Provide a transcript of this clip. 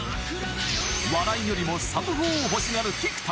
笑いよりもサブ４を欲しがる菊田。